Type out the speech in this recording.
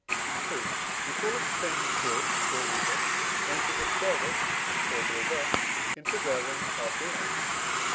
Proof. We call a thing good or evil, when it is of service or the reverse in preserving our being (IV.